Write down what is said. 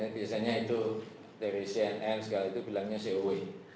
biasanya itu dari cnn segala itu bilangnya coo